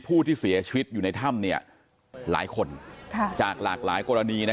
ผู้ที่เสียชีวิตอยู่ในถ้ำเนี่ยหลายคนจากหลากหลายกรณีนะ